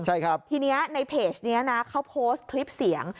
ใช่ครับทีนี้ในเพจนี้นะเขาโพสต์คลิปเสียง